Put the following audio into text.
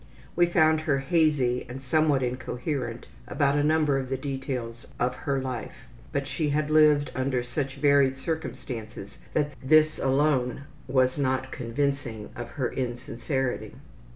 We found her hazy and somewhat incoherent about a number of the details of her life, but she had lived under such varied circumstances that this alone was not convincing of her insincerity.